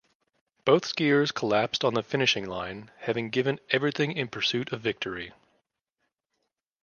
Both skiers collapsed on the finishing line, having given everything in pursuit of victory.